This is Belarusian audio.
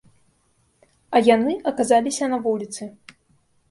А яны аказаліся на вуліцы.